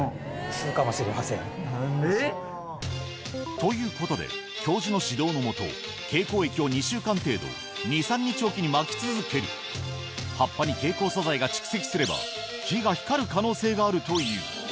ということで教授の指導のもと蛍光液を２週間程度２３日置きにまき続ける葉っぱに蛍光素材が蓄積すれば木が光る可能性があるという